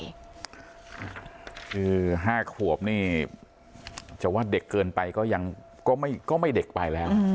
คือ๕ขวบนี่จะว่าเด็กเกินไปก็ยังไม่เด็กไปแล้ว